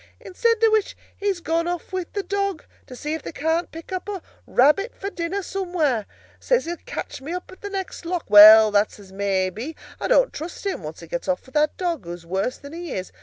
Instead of which, he's gone off with the dog, to see if they can't pick up a rabbit for dinner somewhere. Says he'll catch me up at the next lock. Well, that's as may be—I don't trust him, once he gets off with that dog, who's worse than he is.